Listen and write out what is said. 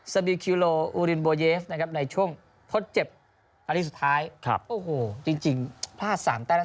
นะครับในช่วงอันนี้สุดท้ายครับโอ้โหจริงจริงพลาดสามแต้ม